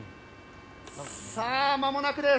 さあ、まもなくです。